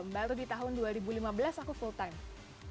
baru di tahun dua ribu lima belas aku full time